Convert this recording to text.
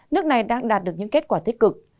nước này đang đạt được những kết quả tích cực